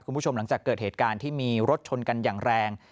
คุณผู้ชมหลังจากเกิดเหตุการณ์ที่มีรถชนกันอย่างแรง